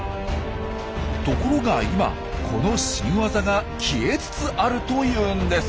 ところが今この新ワザが消えつつあるというんです。